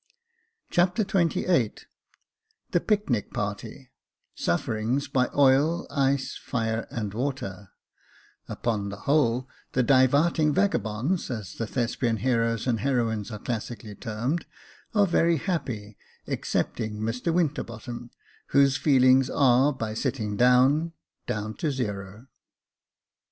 Chapter XXVIII The picnic party — Sufferings by ml, ice, fire, and water — Upon the whole the " divarting vagabonds," as the Thespian heroes and heroines are classically termed, are very happy, excepting Mr Winterbottom, whose feelings are by sitting down, down to zero.